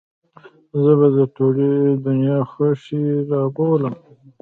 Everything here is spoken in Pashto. زه به د ټولې دنيا خوښۍ راوبولم.